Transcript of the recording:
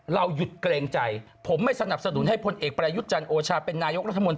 หยุดเกรงใจผมไม่สนับสนุนให้พลเอกประยุทธ์จันทร์โอชาเป็นนายกรัฐมนตรี